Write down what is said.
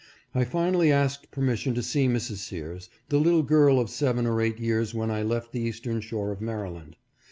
I finally asked permission to see Mrs. Sears, the little girl of seven or eight years when I left the eastern shore of Maryland.